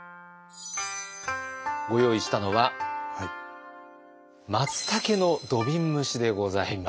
ご用意したのはまつたけの土瓶蒸しでございます。